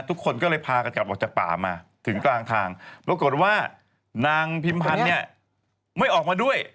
ทุกคนก็เลยพากันกลับออกจากป่ามาถึงกลางทางปรากฏว่านางพิมพันธ์เนี่ยไม่ออกมาด้วย